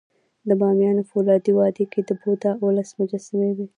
د بامیانو فولادي وادي کې د بودا اوولس مجسمې وې